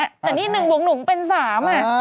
แต่นี่๑บวกหนูมันเป็น๓อ่ะ